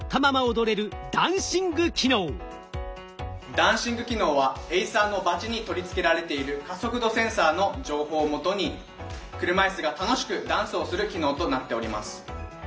ダンシング機能はエイサーのバチに取り付けられている加速度センサーの情報をもとに車いすが楽しくダンスをする機能となっております。